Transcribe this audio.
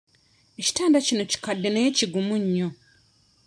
Ekitanda kino kikadde naye kigumu nnyo.